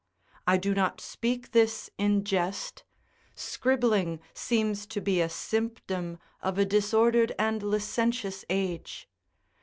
I do not speak this in jest: scribbling seems to be a symptom of a disordered and licentious age.